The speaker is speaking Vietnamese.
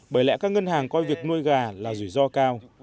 bởi lẽ các ngân hàng coi việc nuôi gà là rủi ro cao